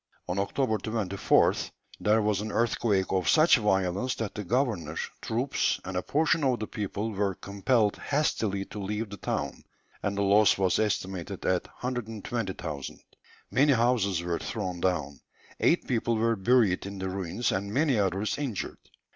On October 24th there was an earthquake of such violence that the governor, troops, and a portion of the people were compelled hastily to leave the town, and the loss was estimated at 120,000_l_. Many houses were thrown down, eight people were buried in the ruins, and many others injured.